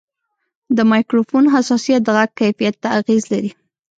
د مایکروفون حساسیت د غږ کیفیت ته اغېز لري.